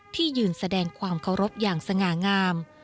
ที่ยืนแสดงความเคารพอย่างสง่างาม